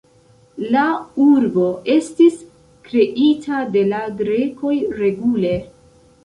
La urbo estis kreita de la grekoj regule.